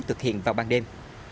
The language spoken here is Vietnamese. thực hiện vào ban đêm